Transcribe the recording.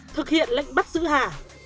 thực hiện lệnh bắt giữ hà